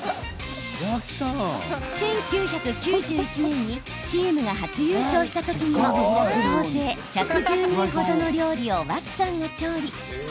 １９９１年にチームが初優勝した時にも総勢１１０人程の料理を脇さんが調理。